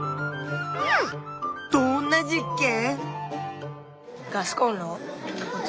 どんな実験？